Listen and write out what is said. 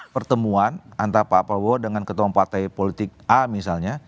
pertemuan antara pak prabowo dengan ketua partai politik a misalnya